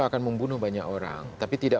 akan membunuh banyak orang tapi tidak